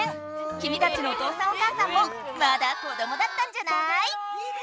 きみたちのお父さんお母さんもまだ子どもだったんじゃない？